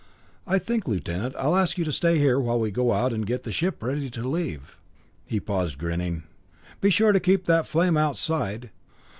I think, Lieutenant, I'll ask you to stay here while we go out and get the ship ready to leave." He paused, grinning. "Be sure to keep that flame outside.